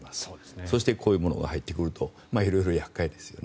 その時にこういうものが入ってくると色々厄介ですよね。